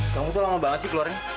kamu tuh lama banget sih keluarin